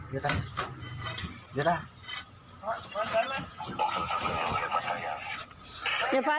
อยู่นะอยู่น่ะ